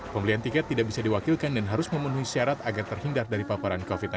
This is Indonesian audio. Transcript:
pembelian tiket tidak bisa diwakilkan dan harus memenuhi syarat agar terhindar dari paparan covid sembilan belas